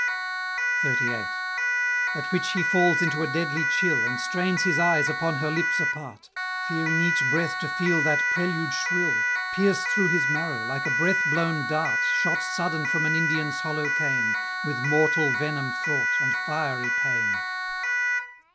XXXVIII. At which he falls into a deadly chill, And strains his eyes upon her lips apart; Fearing each breath to feel that prelude shrill, Pierce through his marrow, like a breath blown dart Shot sudden from an Indian's hollow cane, With mortal venom fraught, and fiery pain.